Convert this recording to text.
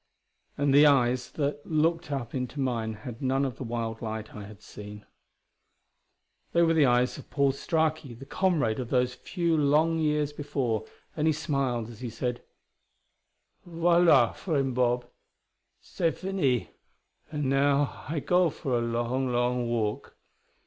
And the eyes that looked up into mine had none of the wild light I had seen. They were the eyes of Paul Straki, the comrade of those few long years before, and he smiled as he said: "Voila, friend Bob: c'est fini! And now I go for a long, long walk.